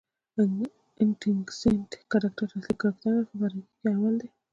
انټکنیسټ کرکټراصلي کرکټرنه دئ، خو د فرعي کښي اول دئ.